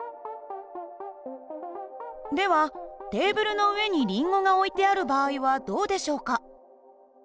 ではテーブルの上にりんごが置いてある場合はどうでしょうか？